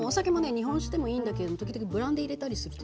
日本酒でもいいんだけれど時々ブランデー入れたりすると。